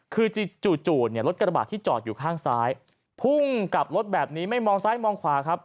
คือจู่เนี่ยรถกระบาดที่จอดอยู่ข้างซ้ายพุ่งกลับรถแบบนี้ไม่มองซ้ายมองขวาครับ